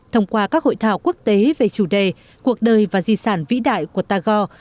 thông qua các hội thảo quốc tế về chủ đề cuộc đời và di sản vĩ đại của tagore